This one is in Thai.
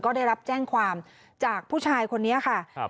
ก็ได้รับแจ้งความจากผู้ชายคนนี้ค่ะครับ